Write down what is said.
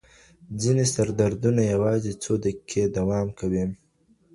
ځینې سردردونه یوازې څو دقیقې دوام کوي.